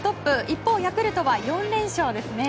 一方、ヤクルトは４連勝ですね。